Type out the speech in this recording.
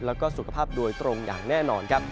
แล้วก็สุขภาพโดยตรงอย่างแน่นอนครับ